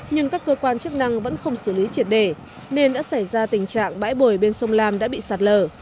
nhưng các cơ quan chức năng vẫn không xử lý triệt đề nên đã xảy ra tình trạng bãi bồi bên sông lam đã bị sạt lở